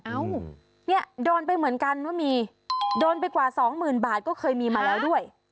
เอ้าเนี่ยโดนไปเหมือนกันว่ามีโดนไปกว่าสองหมื่นบาทก็เคยมีมาแล้วด้วย